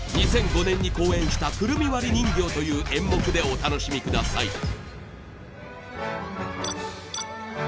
２００５年に公演した『くるみ割り人形』という演目でお楽しみください。